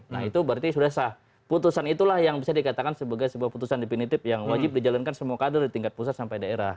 nah itu berarti sudah sah putusan itulah yang bisa dikatakan sebagai sebuah putusan definitif yang wajib dijalankan semua kader di tingkat pusat sampai daerah